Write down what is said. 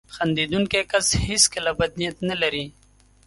• خندېدونکی کس هیڅکله بد نیت نه لري.